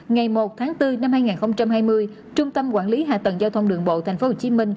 ngày một tháng bốn năm hai nghìn hai mươi trung tâm quản lý hạ tầng giao thông đường bộ tp hcm